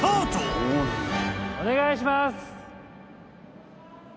お願いします。